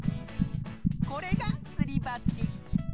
これがすりばち。